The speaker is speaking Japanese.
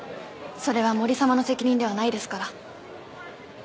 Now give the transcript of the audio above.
それは森様の責任ではないですから。